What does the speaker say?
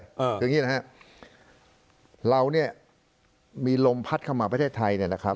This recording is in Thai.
อย่างงี้นะฮะเราเนี่ยมีลมพัดเข้ามาประเทศไทยเนี่ยนะครับ